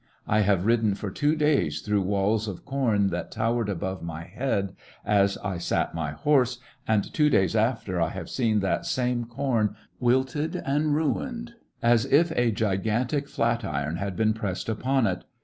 I have ridden for two days through walls of corn that towered above my head as I sat my 48 l^issionarY in tge Great West horse, and two days after I have seen that same corn wilted and ruined as if a gigantic flat iron had been pressed upon it.